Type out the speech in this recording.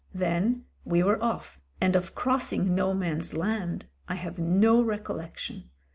Then we were off, and of crossing No Man's Land I have no recollection.